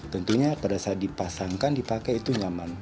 tentunya pada saat dipasangkan dipakai itu nyaman